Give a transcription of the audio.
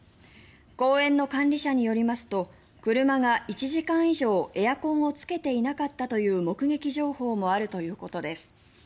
公園の管理者によりますと車が１時間以上エアコンをつけていなかったという目撃情報もあるということです。